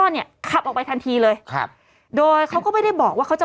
เนี่ยขับออกไปทันทีเลยครับโดยเขาก็ไม่ได้บอกว่าเขาจะ